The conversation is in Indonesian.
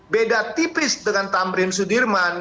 beda tipis dengan tamrin sudirman